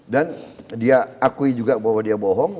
dan dia akui juga bahwa dia bohong